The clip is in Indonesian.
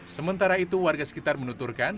sementara itu warga sekitar menuturkan